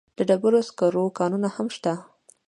د ډبرو سکرو کانونه هم شته.